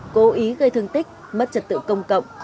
cố ý gây thương tích mất trật tự công cộng